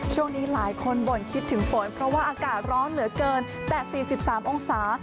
ช่วงนี้หลายคนบ่นคิดถึงฝนเพราะว่าอากาศร้อนเหลือเกินแต่๔๓องศา